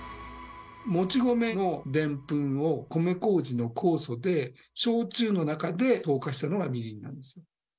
もち米のでんぷんを米こうじの酵素で焼酎の中で糖化したのがみりんなんですよ。